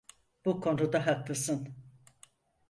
Bu konuda haklısın.